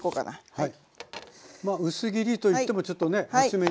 はい。